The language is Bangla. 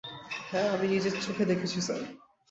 হ্যা, আমি আমার নিজের চোখে দেখছি, স্যার।